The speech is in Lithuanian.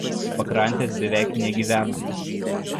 Pakrantės beveik negyvenamos.